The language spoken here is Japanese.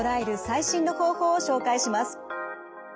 最新の方法を紹介します。